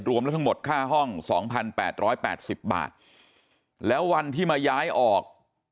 รวมแล้วทั้งหมดค่าห้องสองพันแปดร้อยแปดสิบบาทแล้ววันที่มาย้ายออก